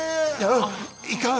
あいかん！